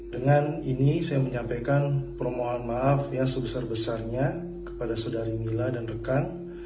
dengan ini saya menyampaikan permohonan maaf ya sebesar besarnya kepada saudari mila dan rekan